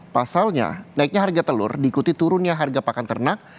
pasalnya naiknya harga telur diikuti turunnya harga pakan ternak